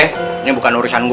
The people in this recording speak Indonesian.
ini bukan urusan gue